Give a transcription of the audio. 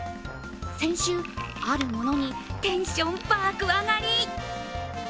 先週、あるものにテンション爆上がり。